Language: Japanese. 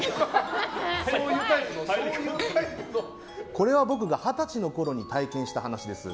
これは僕が二十歳のころに体験した話です。